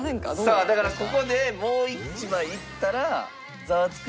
さあだからここでもう１枚いったらザワつく！